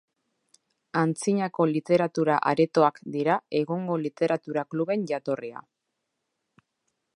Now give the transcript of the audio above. Antzinako literatura aretoak dira egungo literatura kluben jatorria.